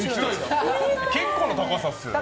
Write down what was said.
結構な高さですよね。